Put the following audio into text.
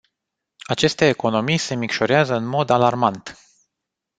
Aceste economii se micșorează în mod alarmant.